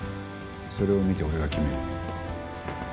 それを見て俺が決める。